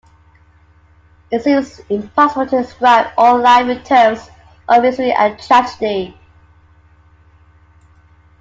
It seemed impossible to describe all life in terms of misery and tragedy.